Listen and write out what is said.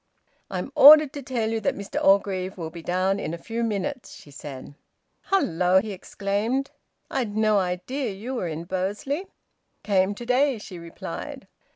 "I'm ordered to tell you that Mr Orgreave will be down in a few minutes," she said. "Hello!" he exclaimed. "I'd no idea you were in Bursley!" "Came to day!" she replied.